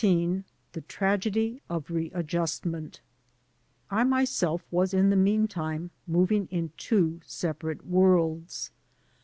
159 XIV THE TRAGEDY OP READJUSTMENT I MYSELF was in the meantime moving in two sepa rate worlds.